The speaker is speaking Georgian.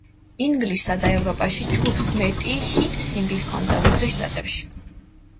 ინგლისსა და ევროპაში ჯგუფს მეტი ჰიტ-სინგლი ჰქონდა, ვიდრე შტატებში.